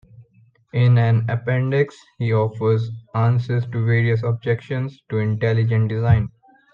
In an appendix, he offers answers to various objections to intelligent design.